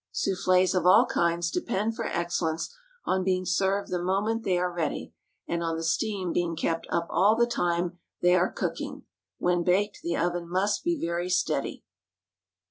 Soufflés of all kinds depend for excellence on being served the moment they are ready, and on the steam being kept up all the time they are cooking. When baked the oven must be very steady.